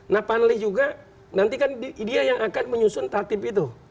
nah panlih juga nanti kan dia yang akan menyusun tatib itu